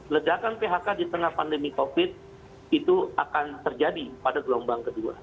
ledakan phk di tengah pandemi covid itu akan terjadi pada gelombang kedua